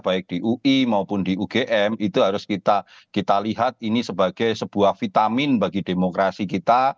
baik di ui maupun di ugm itu harus kita lihat ini sebagai sebuah vitamin bagi demokrasi kita